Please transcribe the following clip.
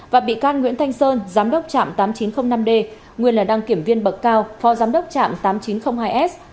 và bị can nguyễn thanh sơn giám đốc trạm tám nghìn chín trăm linh năm d nguyên là đăng kiểm viên bậc cao phó giám đốc trạm tám nghìn chín trăm linh hai s